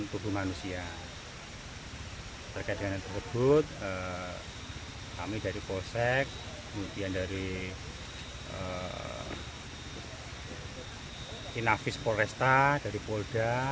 tubuh manusia terkadang tersebut kami dari posek kemudian dari inafis polresta dari polda